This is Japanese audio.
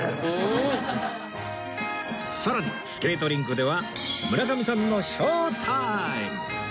さらにスケートリンクでは村上さんのショータイム！